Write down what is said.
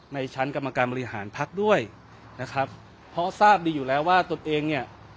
ในชั้นกรรมการบริหารพักด้วยนะครับเพราะทราบดีอยู่แล้วว่าตนเองเนี่ย